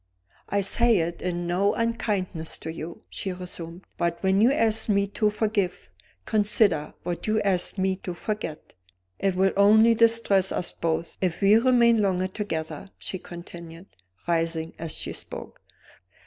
"I say it in no unkindness to you," she resumed. "But when you ask me to forgive, consider what you ask me to forget. It will only distress us both if we remain longer together," she continued, rising as she spoke.